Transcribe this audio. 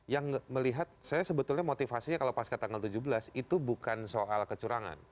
yang melihat saya sebetulnya motivasinya kalau pas ke tanggal tujuh belas itu bukan soal kecurangan